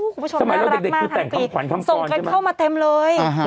คุณผู้ชมน่ารักมากทางปีส่งกันเข้ามาเต็มเลย